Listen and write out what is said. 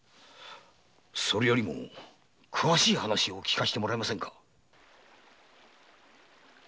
それよりも詳しい話を聞かせてもらえませんか？